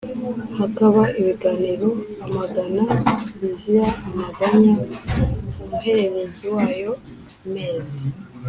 Hakaba ibiganiro amagana bizira amaganya Umuhererezi wayo mezi